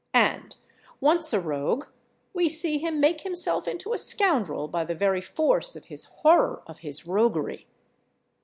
And once a rogue, we see him make himself into a scoundrel by the very force of his horror of his roguery.